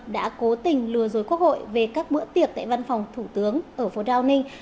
đã cố tình lừa dối quốc hội về các bữa tiệc tại văn phòng thủ tướng ở phố downing